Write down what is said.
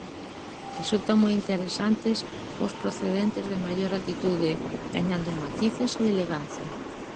Resultan moi interesantes os procedentes de maior altitude, gañando en matices e elegancia.